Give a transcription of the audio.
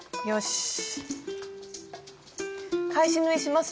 よし！